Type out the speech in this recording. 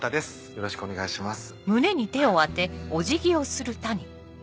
よろしくお願いします。